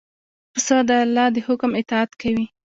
پسه د الله د حکم اطاعت کوي.